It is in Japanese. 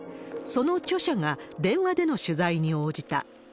その著者が電話での取材に応じた。